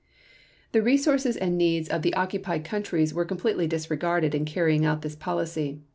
The resources and needs of the occupied countries were completely disregarded in carrying out this policy.